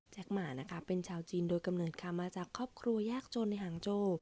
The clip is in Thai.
แจ็คมาเป็นชาวจีนโดยกำเนินมาจากครอบครัวแยกโจรในแห่งโจ